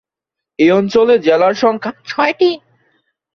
এ অঞ্চলে জেলার সংখ্যা ছয়টি।